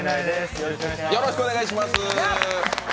よろしくお願いします。